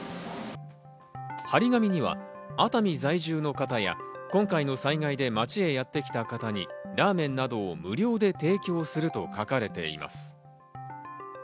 張り紙には熱海在住の方や、今回の災害で街へやってきた方にラーメンなどを無料で提供すると書かれています。